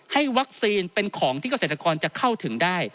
ให้วัคซีนเป็นของที่เกษตรกรจะเข้าถึงได้